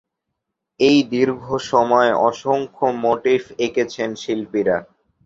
এই দীর্ঘ সময়ে অসংখ্য মোটিফ এঁকেছেন শিল্পীরা।